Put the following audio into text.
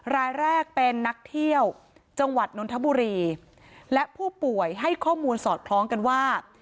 รายแรกเป็นนักเที่ยวจังหวัดนนทบุรีและผู้ป่วยให้ข้อมูลสอดคล้องกันว่า